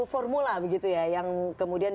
formula begitu ya yang kemudian